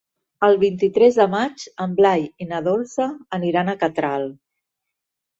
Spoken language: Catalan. El vint-i-tres de maig en Blai i na Dolça aniran a Catral.